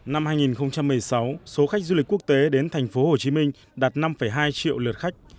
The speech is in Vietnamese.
năm hai nghìn một mươi sáu số khách du lịch quốc tế đến tp hcm đạt năm hai triệu lượt khách